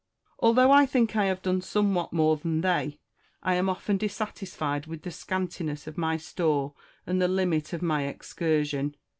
Although I think I have done somewhat more than they, I am often dissatisfied with the scantiness of my store and the limit of my excursion.